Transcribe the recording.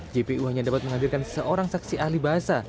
jpu hanya dapat menghadirkan seorang saksi ahli bahasa